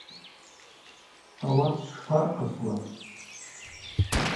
Ауат швшпархъысуаз?